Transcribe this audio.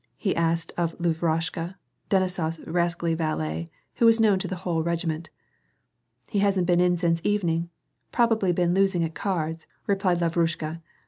he asked of Lavrushka, Denisof s rascally valet, who was known to the whole regiment. " He hasn't been in since evening. Probably been losing at cards," replied Lavrushka.